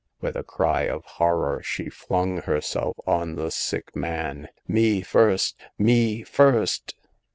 With a cry of horror, she flung herself on the sick man. Me first! Me first